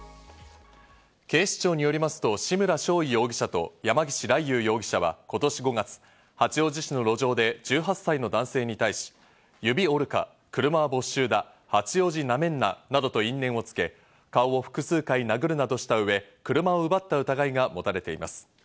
警視庁によりますと志村尚緯容疑者と山岸莉夕容疑者は今年５月、八王子市の路上で１８歳の男性に対し、指折るか、車没収だ、八王子なめんななどと因縁をつけ、顔を複数回殴るなどしたうえ、車を奪った疑いが持たれています。